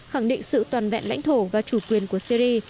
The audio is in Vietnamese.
khẳng định sự toàn vẹn lãnh thổ và chủ quyền của syri